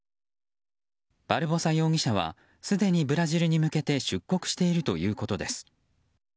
バルボサ容疑者はすでにブラジルに向けて出国しているということです。